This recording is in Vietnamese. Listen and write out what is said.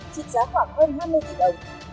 trịt giá khoảng hơn hai mươi tỷ đồng